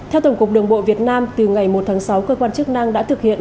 theo tổng cục đường bộ việt nam từ ngày một tháng sáu cơ quan chức năng đã thực hiện